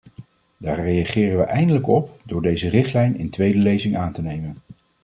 Daar reageren we eindelijk op door deze richtlijn in tweede lezing aan te nemen.